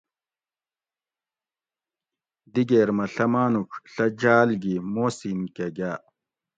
دِگیر مہ ڷہ ماۤنُوڄ ڷہ جاۤل گی موسِین کہ گاۤ